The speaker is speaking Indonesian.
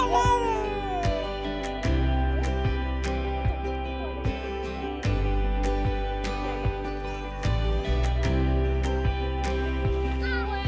kamu mau main main